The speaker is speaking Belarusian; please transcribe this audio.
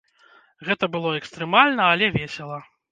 Гэта было экстрэмальна, але весела.